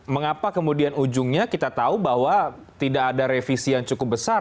mengapa kemudian ujungnya kita tahu bahwa tidak ada revisi yang cukup besar